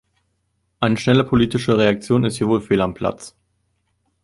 Eine schnelle politische Reaktion ist hier wohl fehl am Platz.